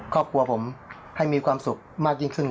ความฝันของผมให้มีความสุขมากยิ่งขึ้น